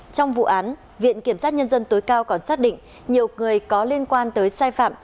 trong vụ án viện kiểm sát nhân dân tối cao còn xác định nhiều người có liên quan tới sai phạm